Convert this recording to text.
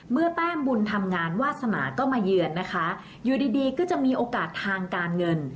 แต้มบุญทำงานวาสนาก็มาเยือนนะคะอยู่ดีดีก็จะมีโอกาสทางการเงิน